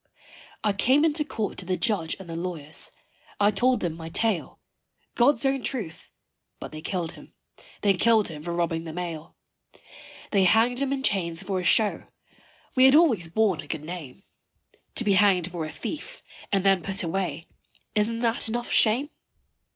I came into court to the Judge and the lawyers. I told them my tale, God's own truth but they killed him, they killed him for robbing the mail. They hanged him in chains for a show we had always borne a good name To be hanged for a thief and then put away isn't that enough shame?